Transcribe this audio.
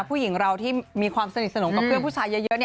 ผู้หญิงเราที่มีความสนิทสนมกับเพื่อนผู้ชายเยอะ